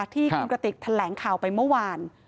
ที่คุณกระติกแถลงข่าวไปเมื่อวาน